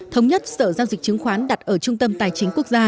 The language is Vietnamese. thống nhất sở giao dịch chứng khoán